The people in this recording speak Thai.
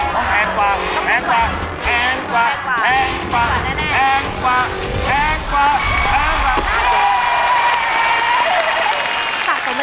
แพงกว่าแพงกว่าแพงกว่า